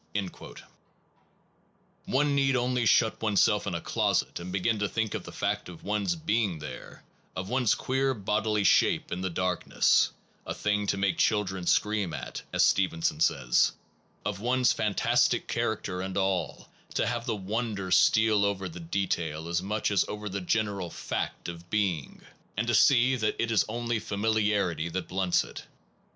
1 One need only shut oneself in a closet and begin to think of the fact of one s being there, of one s queer bodily shape in the darkness (a thing to make children scream at, as Steven son says), of one s fantastic character and all, to have the wonder steal over the detail as much as over the general fact of being, and to see that it is only familiarity that blunts it.